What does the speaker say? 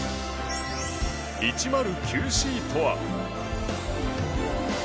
１０９Ｃとは。